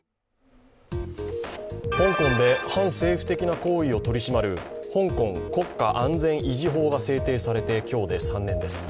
香港で反政府的な行為を取り締まる香港国家安全維持法が制定されて今日で３年です。